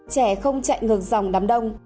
trẻ không chạy ngược dòng đám đông